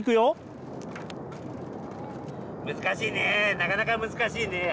難しいねぇなかなか難しいねぇ。